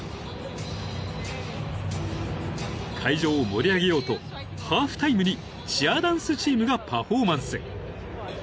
［会場を盛り上げようとハーフタイムにチアダンスチームがパフォーマンス］